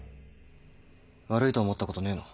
悪いと思ったことねえの？